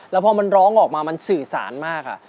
แล้วพอมันร้องออกมามันสื่อสารมาก